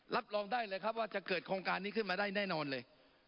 รับรองได้เลยครับว่าจะเกิดโครงการนี้ขึ้นมาได้แน่นอนเลย